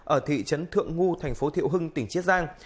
ở thị trấn thượng ngu thành phố thiệu hưng tỉnh chiết giang